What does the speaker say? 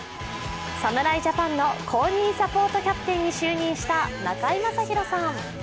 侍ジャパンの公認サポートキャプテンに就任した中居正広さん。